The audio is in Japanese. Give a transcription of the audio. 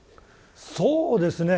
そうですね。